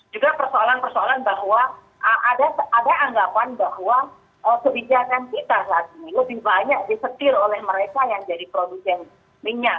juga persoalan persoalan bahwa ada anggapan bahwa kebijakan kita saat ini lebih banyak disetir oleh mereka yang jadi produsen minyak